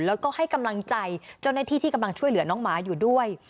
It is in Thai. แล้วก็ให้กำลังใจเจ้าหน้าที่ที่กำลังช่วยเหลือน้องหมาอยู่ด้วย